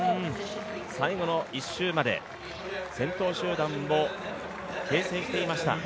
最後の１周まで先頭集団を形成していました。